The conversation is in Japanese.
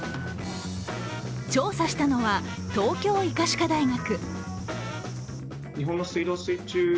調査したのは東京医科歯科大学。